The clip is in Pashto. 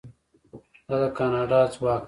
دا د کاناډا ځواک دی.